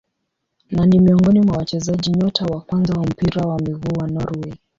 Na ni miongoni mwa wachezaji nyota wa kwanza wa mpira wa miguu wa Norway.